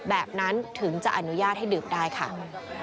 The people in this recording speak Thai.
แบบนั้นถึงจะอนุญาตให้ดื่มได้ค่ะ